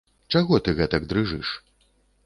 Чаго ты гэтак дрыжыш?